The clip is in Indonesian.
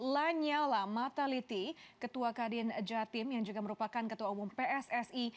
lanyala mataliti ketua kadin jatim yang juga merupakan ketua umum pssi